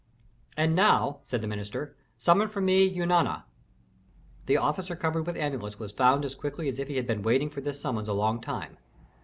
"And now," said the minister, "summon for me Eunana." The officer covered with amulets was found as quickly as if he had been waiting for this summons a long time.